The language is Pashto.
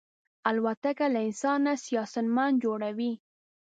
الوتکه له انسانه ساینسمن جوړوي.